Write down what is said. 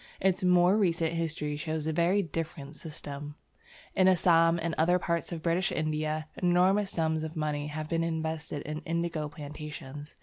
Its more recent history shows a very different system. In Assam and other parts of British India, enormous sums of money have been invested in indigo plantations.